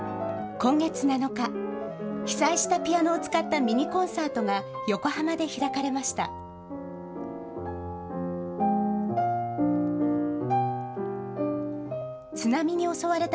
今月７日、被災したピアノを使ったミニコンサートが横浜で開かれました。